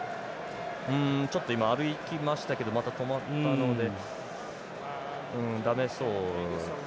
ちょっと今歩きましたけどまた止まったのでだめそうですね。